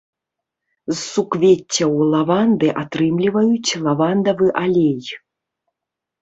З суквеццяў лаванды атрымліваюць лавандавы алей.